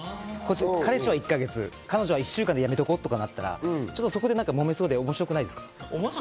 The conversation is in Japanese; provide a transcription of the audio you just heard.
彼氏は１か月、彼女は１週間でやめとこうとかなったら、もめそうで面白くないですか？